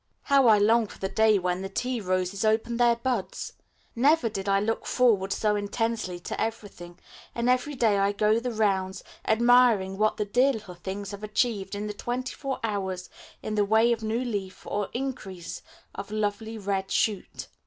How I long for the day when the tea roses open their buds! Never did I look forward so intensely to anything; and every day I go the rounds, admiring what the dear little things have achieved in the twenty four hours in the way of new leaf or increase of lovely red shoot.